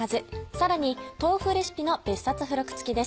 さらに豆腐レシピの別冊付録付きです。